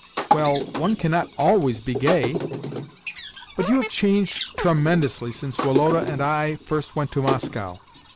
"Well, one cannot always be gay." "But you have changed tremendously since Woloda and I first went to Moscow.